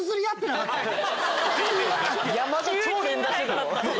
山田超連打してた。